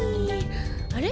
あれ？